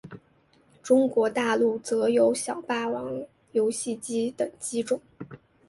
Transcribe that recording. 中国大陆则有小霸王游戏机等机种。